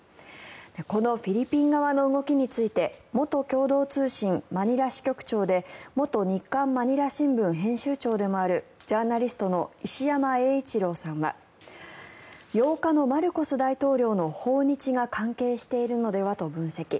このフィリピン側の動きについて元共同通信マニラ支局長で元日刊まにら新聞編集長でもあるジャーナリストの石山永一郎さんは８日のマルコス大統領の訪日が関係しているのではと分析。